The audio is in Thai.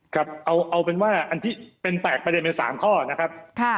ครับเอาเป็นว่าอันที่เป็น๘ประเด็นไป๓ข้อนะครับ